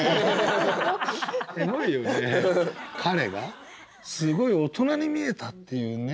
彼がすごい大人に見えたっていうね。